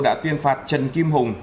đã tuyên phạt trần kim hùng